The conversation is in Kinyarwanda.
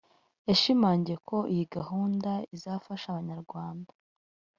yashimangiye ko iyi gahunda izafasha Abanyarwanda